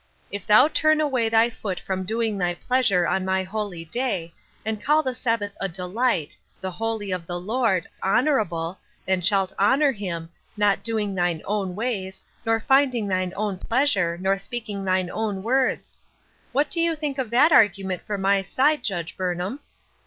'If thou turn away thy foot from doiug thy pleasure on my holy day, and call the Sabbath a delight, the holy of the Lord, honor able, and shalt honor Him, not doing thine own ways, nor finding thine own pleasure, nor speak ing thine own words.' What do you think of that argument for my side, Judge Burnham